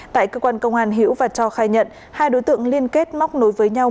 tại cơ quan công an hiễu và cho khai nhận hai đối tượng liên kết móc nối với nhau